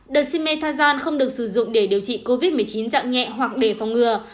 dexamethasone không được sử dụng để điều trị covid một mươi chín dặn nhẹ hoặc để phòng ngừa